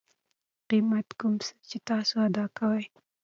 قیمت کوم څه چې تاسو ادا کوئ